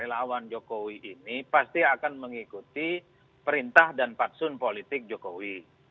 relawan jokowi ini pasti akan mengikuti perintah dan patsun politik jokowi